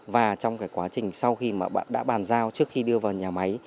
và trong quá trình sau khi bạn đã bàn giao trước khi đưa vào nhà máy